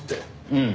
うん。